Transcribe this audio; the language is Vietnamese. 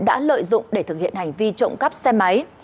đã lợi dụng để thực hiện hành vi trộm cắp xe máy